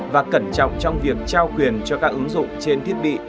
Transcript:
và cẩn trọng trong việc trao quyền cho các ứng dụng trên thiết bị